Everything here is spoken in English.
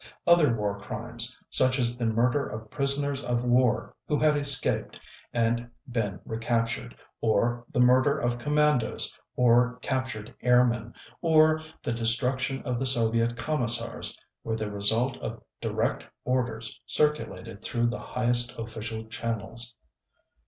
Other War Crimes, such as the murder of prisoners of war who had escaped and been recaptured, or the murder of Commandos or captured airmen, or the destruction of the Soviet Commissars, were the result of direct orders circulated through the highest official channels.